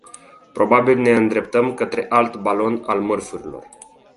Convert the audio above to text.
Probabil ne îndreptăm către alt balon al mărfurilor.